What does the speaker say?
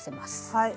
はい。